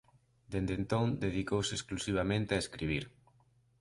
Desde entón dedicouse exclusivamente a escribir.